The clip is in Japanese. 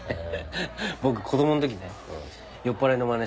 僕子供のときね